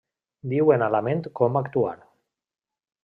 Diuen a la ment com actuar.